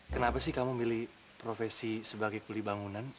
kenapa sih kamu milih profesi sebagai kulibangunan